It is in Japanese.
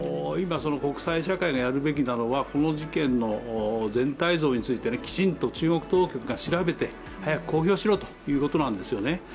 今、国際社会がやるべきなのはこの事件の全体像についてきちんと中国当局が調べて、早く公表しろということなんですよね。